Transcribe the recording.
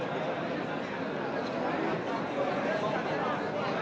กดไลค์และเพราะรับช่อง